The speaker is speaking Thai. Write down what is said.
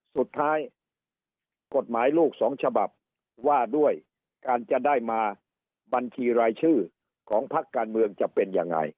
สุดท้ายกฎหมายลูกสองฉบับว่าด้วยการจะได้มาบัญชีรายชื่อของพักการเมืองจะเป็นยังไง